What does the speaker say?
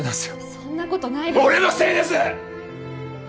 そんなことない俺のせいです！